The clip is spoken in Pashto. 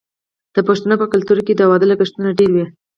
د پښتنو په کلتور کې د واده لګښتونه ډیر وي.